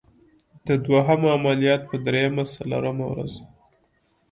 د دوهم عملیات په دریمه څلورمه ورځ.